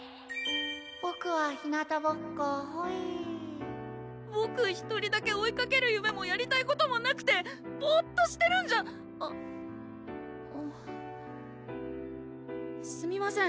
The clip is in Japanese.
ボクはひなたぼっこほえボク１人だけ追いかける夢もやりたいこともなくてぼーっとしてるんじゃあっすみません